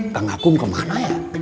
kang akung kemana ya